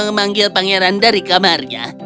memanggil pangeran dari kamarnya